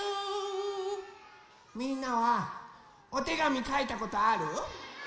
みんなはおてがみかいたことある？